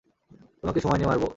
তোমাকে সময় নিয়ে মারবো।